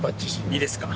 いいですか？